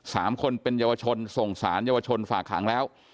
สามคนเป็นเยาวชนส่งสารเยาวชนฝากหางแล้ว